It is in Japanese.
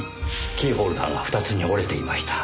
キーホルダーが２つに折れていました。